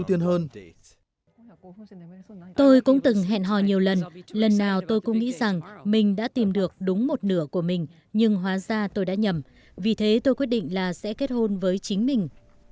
tôi cũng từng hẹn hò nhiều lần lần nào tôi cũng nghĩ rằng mình đã tìm được đúng một nửa của mình nhưng hóa ra tôi đã nhầm vì thế tôi quyết định là sẽ kết hôn với chính mình